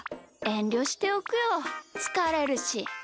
えんりょしておくよつかれるし。